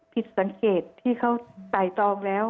ผิดสังเกตที่เขาไต่ตองแล้ว